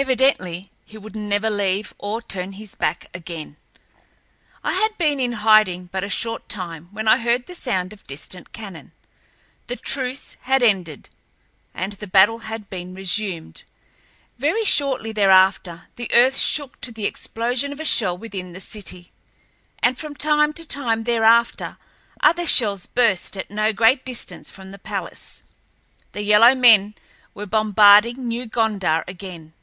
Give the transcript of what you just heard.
Evidently he would never leave, or turn his back again. I had been in hiding but a short time when I heard the sound of distant cannon. The truce had ended, and the battle had been resumed. Very shortly thereafter the earth shook to the explosion of a shell within the city, and from time to time thereafter other shells burst at no great distance from the palace. The yellow men were bombarding New Gondar again.